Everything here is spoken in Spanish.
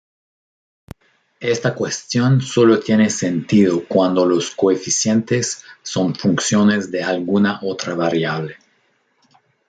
Esta cuestión solo tiene sentido cuando los coeficientes son funciones de alguna otra variable.